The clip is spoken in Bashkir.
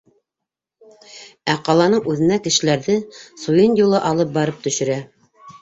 Ә ҡаланың үҙенә кешеләрҙе суйын юлы алып барып төшөрә.